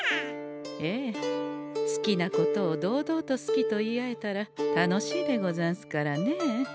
ええ好きなことを堂々と好きと言い合えたら楽しいでござんすからねえ。